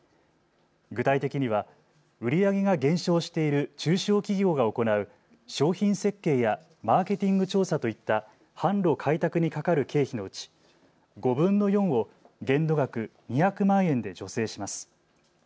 具体的には売り上げが減少している中小企業が行う商品設計やマーケティング調査といった販路開拓にかかる経費のうち５分の４を限度額２００万円で助成します。